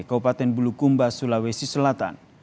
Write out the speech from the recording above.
kabupaten bulukumba sulawesi selatan